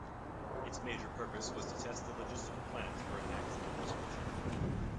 Its major purpose was to test the logistical plans for an actual detonation.